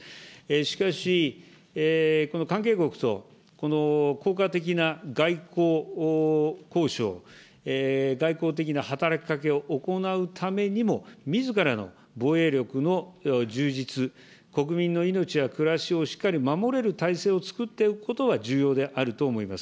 しかし、この関係国と効果的な外交交渉、外交的な働きかけを行うためにも、みずからの防衛力の充実、国民の命や暮らしをしっかり守れる体制をつくっておくことは重要であると思います。